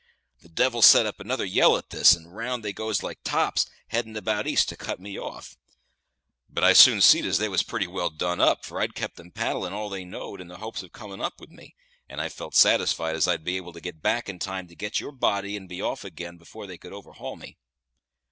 The devils set up another yell at this, and round they goes like tops, heading about east, to cut me off; but I soon see'd as they was pretty well done up for I'd kept 'em paddlin' all they knowed, in the hopes of coming up with me and I felt satisfied as I'd be able to get back in time to get your body and be off ag'in afore they could overhaul me.